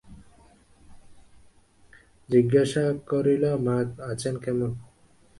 জিজ্ঞাসা করিল, মা আছেন কেমন।